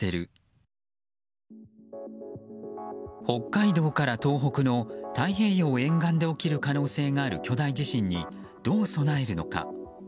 北海道から東北の太平洋沿岸で起きる可能性がある巨大地震にどう備えるのか。